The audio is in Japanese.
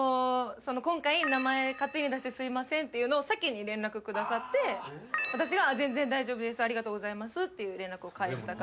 今回名前勝手に出してすいませんっていうのを先に連絡下さって私が全然大丈夫ですありがとうございますっていう連絡を返した。